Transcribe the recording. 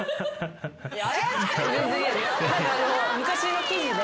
昔の記事で。